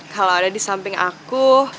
kalau ada di samping aku